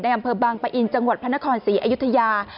อำเภอบางปะอินจังหวัดพระนครศรีอยุธยา